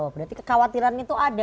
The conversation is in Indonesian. berarti kekhawatiran itu ada